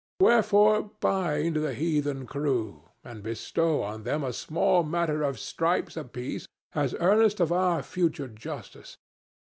"Wherefore bind the heathen crew and bestow on them a small matter of stripes apiece as earnest of our future justice.